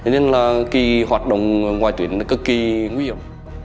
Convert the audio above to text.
nên là hoạt động ngoại tuyến cực kỳ nguy hiểm